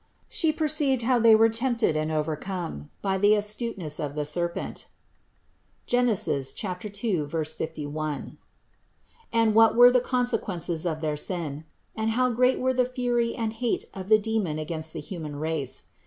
She perceived how they were tempted and overcome by the astuteness of the serpent (Gen. 2, 51), and what were the consequences of their sin ; and how great were the fury and hate of the demon against the human race.